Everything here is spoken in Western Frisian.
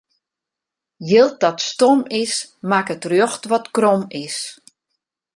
Jild dat stom is, makket rjocht wat krom is.